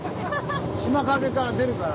島陰から出るから。